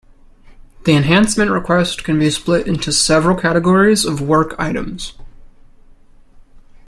The enhancement request can be split into several categories of work items.